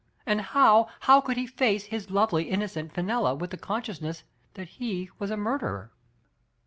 And how, how could he face his lovely innocent Fenella with the consciousness that he was a murderer?